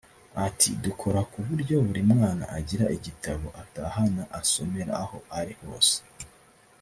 Ati” Dukora ku buryo buri mwana agira igitabo atahana asomera aho ari hose